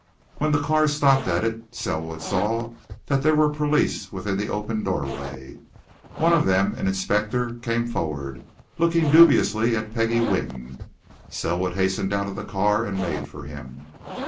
When the car stopped at it, Selwood saw that there were police within the open doorway. One of them, an inspector, came forward, looking dubiously at Peggie Wynne. Selwood hastened out of the car and made for him.